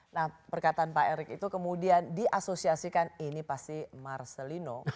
nah perkataan pak erick itu kemudian diasosiasikan ini pasti marcelino